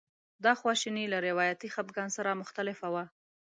دا خواشیني له روایتي خپګان سره مختلفه وه.